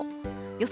予想